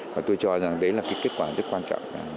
và tôi cho rằng đấy là cái kết quả rất quan trọng